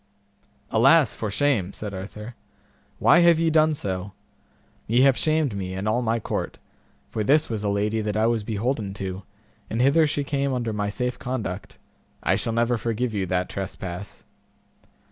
Alas, for shame! said Arthur, why have ye done so? ye have shamed me and all my court, for this was a lady that I was beholden to, and hither she came under my safe conduct; I shall never forgive you that trespass.